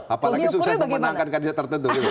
apalagi sukses memenangkan kandidat tertentu